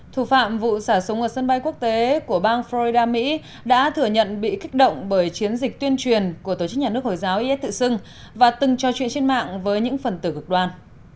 thủ phạm vụ xả súng ở sân bay quốc tế của bang florida mỹ đã thừa nhận bị kích động bởi chiến dịch tuyên truyền của tổ chức nhà nước hồi giáo is tự xưng và từng trò chuyện trên mạng với những phần tử cực đoan